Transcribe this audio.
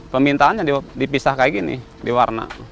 pemintaannya dipisah seperti ini diwarna